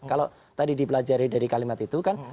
kalau tadi dipelajari dari kalimat itu kan